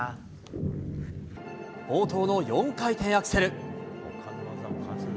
冒頭の４回転アクセル。